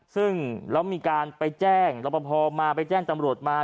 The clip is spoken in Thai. ซึ่งแล้วมีการไปแจ้งรับประพอมาไปแจ้งตำรวจมา